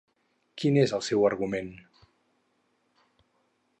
Quin és el seu argument?